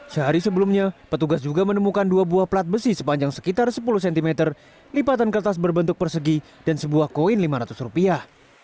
sehari sebelumnya petugas juga menemukan dua buah plat besi sepanjang sekitar sepuluh cm lipatan kertas berbentuk persegi dan sebuah koin lima ratus rupiah